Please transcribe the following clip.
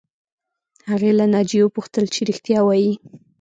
هغې له ناجیې وپوښتل چې رښتیا وایې